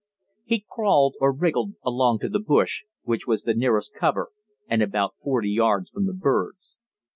He crawled or wriggled along to the bush, which was the nearest cover and about forty yards from the birds.